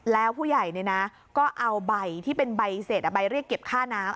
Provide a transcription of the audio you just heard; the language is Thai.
แล้วผู้ใหญ่ก็เอาใบที่เป็นใบเสร็จใบเรียกเก็บค่าน้ำ